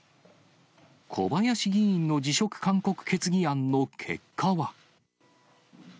小林議員の辞職勧告決議案の結果は。